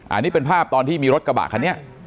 อันนี้เป็นภาพตอนที่มีรถกระบะคันนี้